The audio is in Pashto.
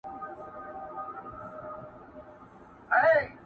او کارونه د بل چا کوي،